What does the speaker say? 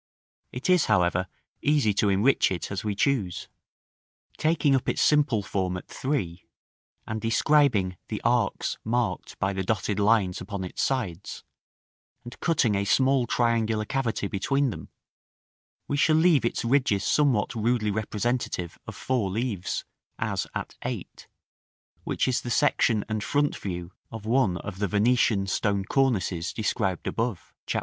It is, however, easy to enrich it as we choose: taking up its simple form at 3, and describing the arcs marked by the dotted lines upon its sides, and cutting a small triangular cavity between them, we shall leave its ridges somewhat rudely representative of four leaves, as at 8, which is the section and front view of one of the Venetian stone cornices described above, Chap.